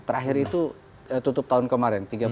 terakhir itu tutup tahun kemarin